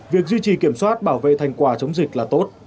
việc duy trì kiểm soát bảo vệ thành quả chống dịch là tốt